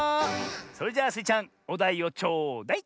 それじゃあスイちゃんおだいをちょうだい！